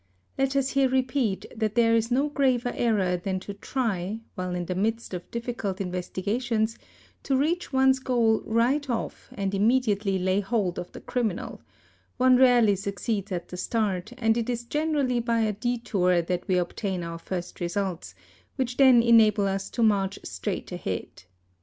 Let us here repeat that there is no graver error than to try, while in the midst of difficult investigations, to reach one's goal right off and immediately lay hold of the criminal; one rarely succeeds at the start and it is generally ~ E by a detour that we obtain our first results, which then enable us to march straight ahead.